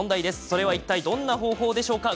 それは、いったいどんな方法でしょうか？